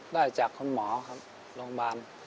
ได้จากคุณหมอครับโรงพยาบาล